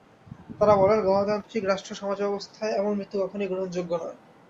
তাঁরা বলেন, গণতান্ত্রিক রাষ্ট্র ও সমাজব্যবস্থায় এমন মৃত্যু কখনোই গ্রহণযোগ্য নয়।